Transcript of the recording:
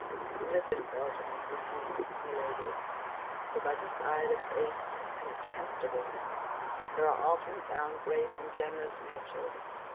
"Listen, Felton," resumed Milady, "for by the side of base and contemptible men there are often found great and generous natures.